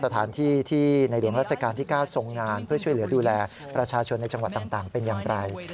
ที่จะดูแลราชาชนในจังหวัดต่างเป็นอย่างไร